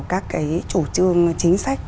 các cái chủ trương chính sách